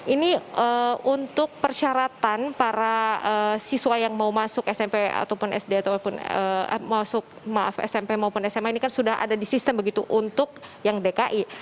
ini untuk persyaratan para siswa yang mau masuk smp maupun sma ini kan sudah ada di sistem begitu untuk yang dki